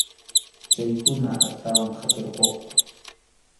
Chaykuna astawan qhasurquqku.